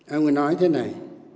ông ấy nói thế này